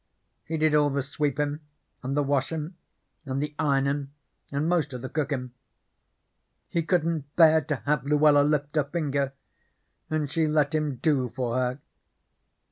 He did all the sweepin' and the washin' and the ironin' and most of the cookin'. He couldn't bear to have Luella lift her finger, and she let him do for her.